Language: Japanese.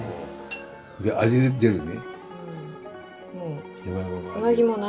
味が出るね。